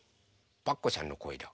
パクこさんのこえだ。